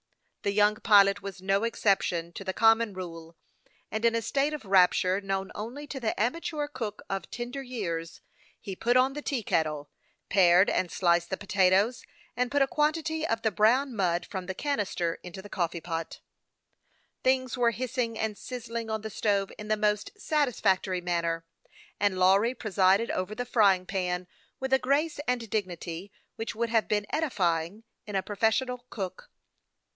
The young pilot was no exception to the common rule, and in a state of rapture known only to the amateur cook of tender years, he put on the tea kettle, pared and sliced the potatoes, and put a quantity of the brown mud from the canis ter into the coffee pot. Things were hissing and sizzling on the stove in the most satisfactory manner, and Lawry presided over the frying pan with a grace and dignity which would have been edifying in a professional cook.